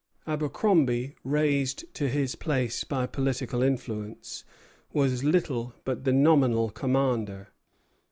Abercromby, raised to his place by political influence, was little but the nominal commander.